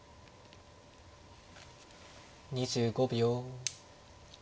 ２５秒。